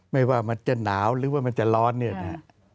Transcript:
ไม่ว่ามันจะหนาวหรือว่ามันจะร้อนเนี่ยนะฮะ